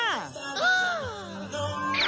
โอ้โฮ